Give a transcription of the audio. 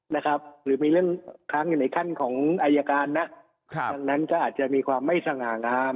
หรือมีเรื่องค้างอยู่ในขั้นของอายการนะครับดังนั้นก็อาจจะมีความไม่สง่างาม